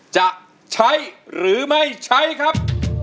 จะใช้หรือไม่ใช้ครับ